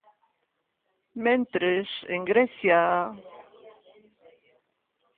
Mentres, en Grecia...